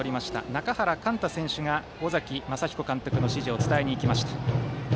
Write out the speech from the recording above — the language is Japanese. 中原幹太選手が尾崎公彦監督の指示を伝えにいきました。